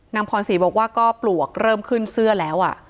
พรศรีบอกว่าก็ปลวกเริ่มขึ้นเสื้อแล้ว